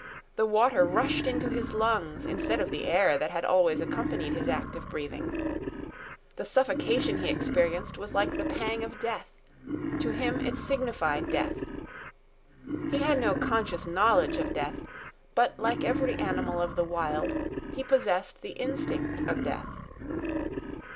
The water rushed into his lungs instead of the air that had always accompanied his act of breathing. The suffocation he experienced was like the pang of death. To him it signified death. He had no conscious knowledge of death, but like every animal of the Wild, he possessed the instinct of death.